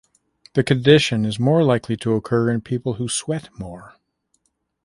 The condition is more likely to occur in people who sweat more.